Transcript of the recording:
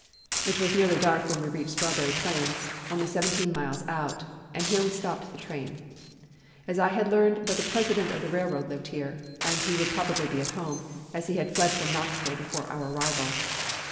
It was nearly dark when we reached Strawberry Plains, only seventeen miles out, and here we stopped the train, as I had learned that the President of the railroad lived here, and he would probably be at home, as he had fled from Knoxville before our arrival.